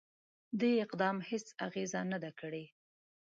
دې اقدام هیڅ اغېزه نه ده کړې.